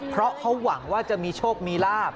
เพราะเขาหวังว่าจะมีโชคมีลาบ